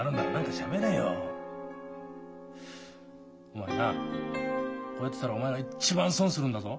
お前なこうやってたらお前が一番損するんだぞ。